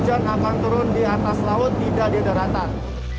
dan akan turun di atas laut tidak di daratan